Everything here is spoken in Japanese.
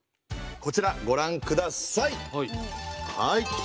こちらご覧下さい。